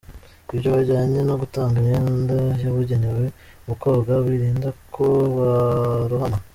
Ibyo byajyanye no gutanga imyenda yabugenewe mu koga birinda ko barohama.